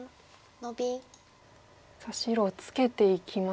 さあ白ツケていきました。